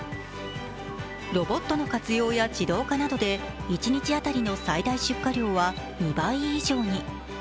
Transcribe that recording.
ロボットの活用や自動化などで１日当たりの最大出荷量は２倍以上に。